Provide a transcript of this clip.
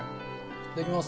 いただきます。